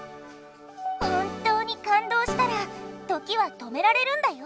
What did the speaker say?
本当にかんどうしたら時は止められるんだよ。